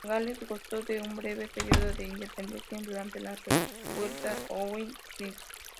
Gales gozó de un breve período de independencia durante la revuelta de Owain Glyndŵr.